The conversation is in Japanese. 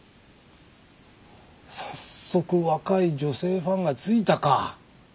早速若い女性ファンがついたか。